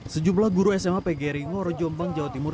sejumlah guru sma pgri ngoro jombang jawa timur